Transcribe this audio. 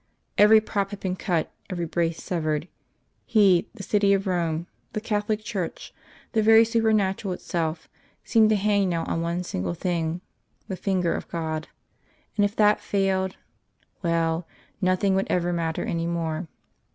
Every prop had been cut, every brace severed; he, the City of Rome, the Catholic Church, the very supernatural itself, seemed to hang now on one single thing the Finger of God. And if that failed well, nothing would ever matter any more....